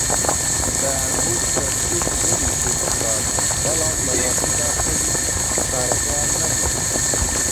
دەیانگوت کەرکووک دڵی کوردستانە، بەڵام لەڕاستیدا خەمی شارەکەیان نەبوو.